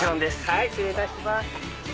はい失礼いたします。